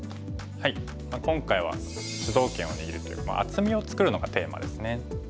今回は主導権を握るという厚みを作るのがテーマですね。